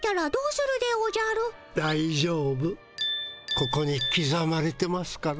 ここにきざまれてますから。